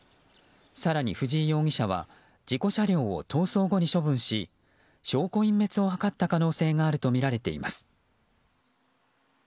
更に藤井容疑者は事故車両を逃走後に処分し、証拠隠滅を図った可能性があるとみられています。